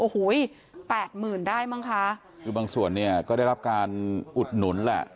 โอ้โหแปดหมื่นได้มั้งคะคือบางส่วนเนี่ยก็ได้รับการอุดหนุนแหละ